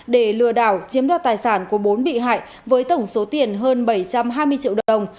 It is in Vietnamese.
để lừa đảo chiếm đoạt tài sản của bốn bị hại với tổng số tiền hơn bảy trăm hai mươi triệu đồng